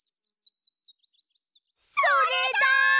それだ！